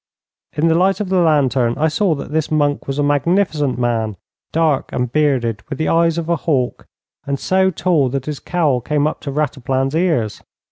In the light of the lantern I saw that this monk was a magnificent man, dark and bearded, with the eyes of a hawk, and so tall that his cowl came up to Rataplan's ears.